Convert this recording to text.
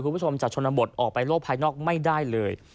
คุณผู้ชมจากชนบทออกไปโลกภายนอกไม่ได้เลย